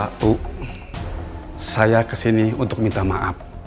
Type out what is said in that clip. pak u saya kesini untuk minta maaf